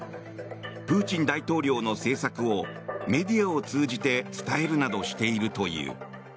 プーチン大統領の政策をメディアを通じて伝えるなどしているという。